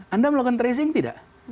anda melakukan tracing tidak